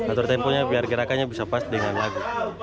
atur temponya biar gerakannya bisa pas dengan lagu